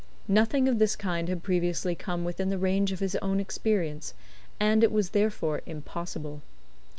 Nothing of this kind had previously come within the range of his own experience, and it was therefore impossible.